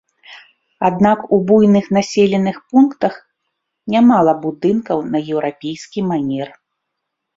Аднак у буйных населеных пунктах нямала будынкаў на еўрапейскі манер.